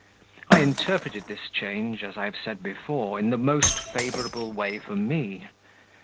I interpreted this change, as I have said before, in the most favourable way for me....